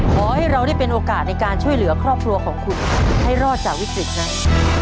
ขอให้เราได้เป็นโอกาสในการช่วยเหลือครอบครัวของคุณให้รอดจากวิกฤตนั้น